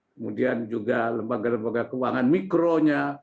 kemudian juga lembaga lembaga keuangan mikronya